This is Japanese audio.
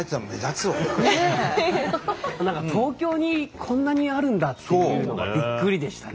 何か東京にこんなにあるんだっていうのがびっくりでしたね。